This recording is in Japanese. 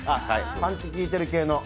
パンチきいてる系の。